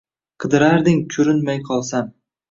Qidirarding kurinmay qolsam